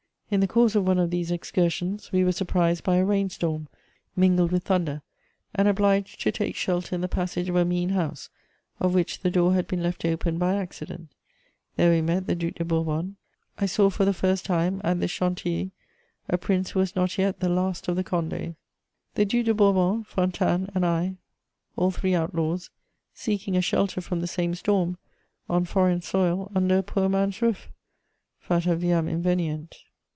In the course of one of these excursions, we were surprised by a rain storm, mingled with thunder, and obliged to take shelter in the passage of a mean house, of which the door had been left open by accident. There we met the Duc de Bourbon: I saw for the first time, at this Chantilly, a prince who was not yet the Last of the Condés. [Sidenote: The Duc of Bourbon.] The Duc de Bourbon, Fontanes and I, all three outlaws, seeking a shelter from the same storm, on foreign soil, under a poor man's roof! _Fata viam invenient.